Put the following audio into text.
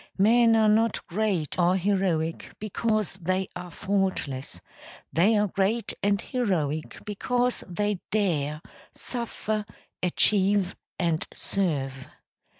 Men are not great or heroic because they are faultless; they are great and heroic because they dare, suffer, achieve and serve.